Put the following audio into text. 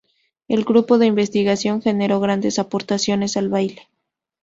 El grupo de investigación generó grandes aportaciones al baile.